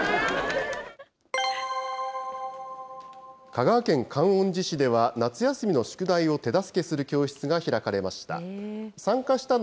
香川県観音寺市では、夏休みの宿題を手助けする教室が開かれました。